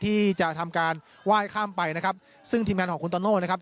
ที่จะทำการไหว้ข้ามไปนะครับซึ่งทีมงานของคุณโตโน่นะครับ